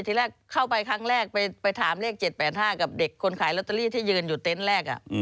ทีแรกเข้าไปครั้งแรกไปถามเลข๗๘๕กับเด็กคนขายลอตเตอรี่ที่ยืนอยู่เต็นต์แรก